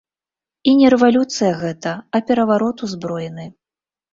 І не рэвалюцыя гэта, а пераварот узброены.